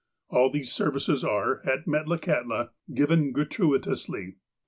All these services are, at Metlakahtla, given gratuitously.